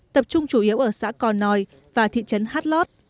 tập trung chủ yếu ở xã cò nòi và thị trấn hát lót